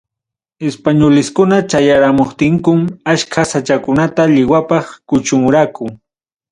Españoleskuna chayaramuptinkum, achka sachakunata lliwapaq kuchumuraku.